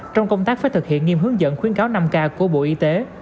trong công tác phải thực hiện nghiêm hướng dẫn khuyến cáo năm k của bộ y tế